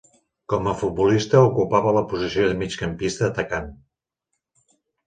Com a futbolista ocupava la posició de migcampista atacant.